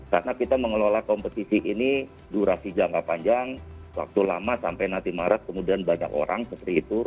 karena kita mengelola kompetisi ini durasi jangka panjang waktu lama sampai nanti maret kemudian banyak orang seperti itu